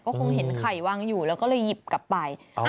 คงเห็นไข่วางอยู่แล้วก็เลยหยิบกลับไป